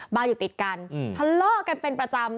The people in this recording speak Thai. อยู่ติดกันทะเลาะกันเป็นประจำ